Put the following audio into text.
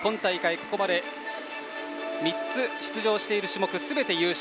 ここまで３つ出場している種目すべて優勝。